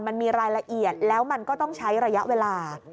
มันมีรายละเอียดแล้วมันก็ต้องใช้ระยะเวลา